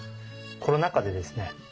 コロナ禍でですね